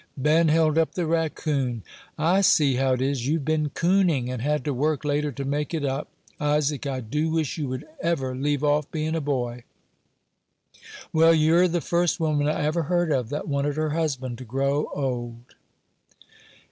Ben held up the raccoon. "I see how it is; you've been cooning, and had to work later to make it up. Isaac, I do wish you would ever leave off being a boy." "Well, you're the first woman I ever heard of that wanted her husband to grow old."